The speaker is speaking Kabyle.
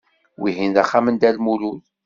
Wihin d axxam n Dda Lmulud.